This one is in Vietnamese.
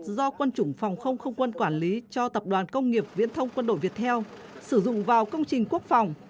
do quân chủng phòng không không quân quản lý cho tập đoàn công nghiệp viễn thông quân đội việt theo sử dụng vào công trình quốc phòng